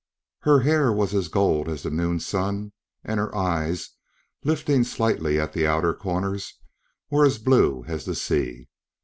Her hair was as gold as the noon sun and her eyes, lifting slightly at the outer corners, were as blue as the sea.